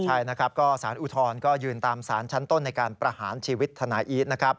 ใช่สารอุทธรณ์ก็ยืนตามสารชั้นต้นในการประหารชีวิตธนาอีศ